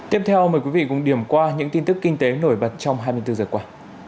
tiếp theo mời quý vị cùng điểm qua những tin tức kinh tế nổi bật trong hai mươi bốn giờ qua